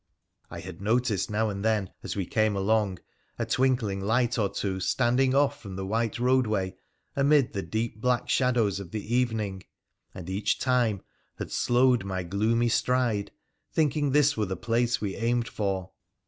I had noticed now and then, as we came along, a twinkling light or two standing off from the white roadway, amid the deep black shadows of the evening, and each time had slowed my gloomy stride, thinking this were the place we aimed for.